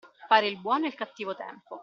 Fare il buono e il cattivo tempo.